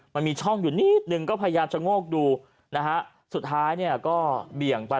มันมีช่องอยู่นิดนึงก็พยายามจะโงกดูนะฮะสุดท้ายเนี่ยก็เบี่ยงไป